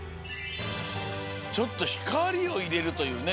ちょっとひかりをいれるというね。